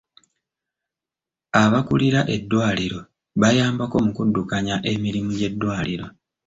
Abakulira eddwaliro bayambako mu kuddukanya emirimu gy'eddwaliro.